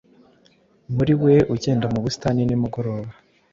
Muri we ugenda mu busitani nimugoroba